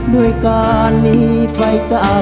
ด้วยการหนีไปจากกัน